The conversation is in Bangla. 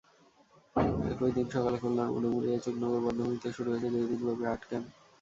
একই দিন সকালে খুলনার ডুমুরিয়ার চুকনগর বধ্যভূমিতে শুরু হয়েছে দুই দিনব্যাপী আর্টক্যাম্প।